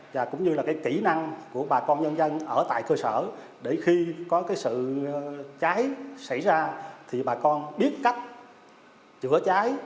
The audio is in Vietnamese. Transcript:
và cũng như là cái kỹ năng của bà con nhân dân ở tại cơ sở để khi có cái sự cháy xảy ra thì bà con biết cách chữa cháy